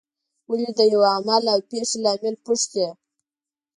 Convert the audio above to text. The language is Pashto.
ولې د یوه عمل او پېښې لامل پوښتي.